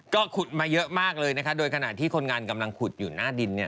ก็ขุดมาเยอะมากเลยนะคะโดยขณะที่คนงานกำลังขุดอยู่หน้าดินเนี่ย